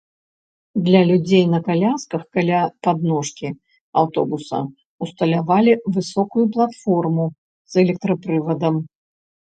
Для людзей на калясках каля падножкі аўтобуса ўсталявалі высоўную платформу з электрапрывадам.